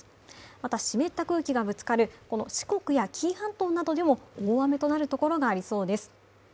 また、湿った空気がぶつかる四国や紀伊半島などでも大雨となるところがありそうです。